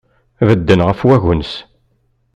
Bedden ɣef wagens.